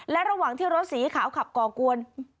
และระหว่างที่รถสีขาวขับก่อกวน